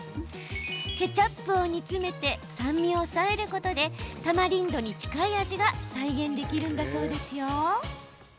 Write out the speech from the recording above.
ケチャップを煮詰めて酸味を抑えることでタマリンドに近い味が再現できるんだそう。